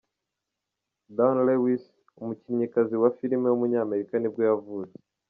Dawnn Lewis, umukinnyikazi wa film w’umunyamerika nibwo yavutse.